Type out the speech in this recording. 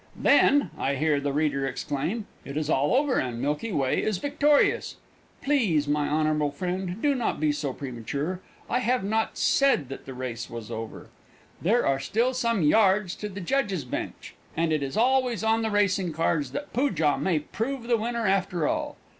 "Then," I hear the reader exclaim, "it is all over, and Milky Way is victorious." Please, my honble friend, do not be so premature! I have not said that the race was over. There are still some yards to the judge's bench, and it is always on the racing cards that Poojah may prove the winner after all.